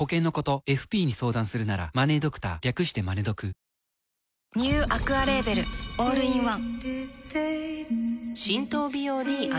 新発売「生茶リッチ」ニューアクアレーベルオールインワン